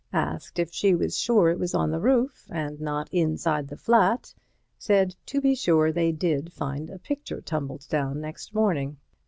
Asked if she was sure it was on the roof and not inside the flat, said to be sure they did find a picture tumbled down next morning.